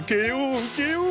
受けよう！